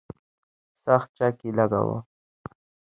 سخت چک یې لګاوه.